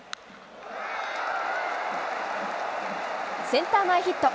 センター前ヒット。